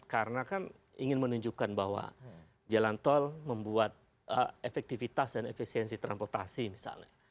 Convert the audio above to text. karena kan ingin menunjukkan bahwa jalan tol membuat efektivitas dan efisiensi transportasi misalnya